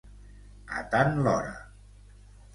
A tant l'hora.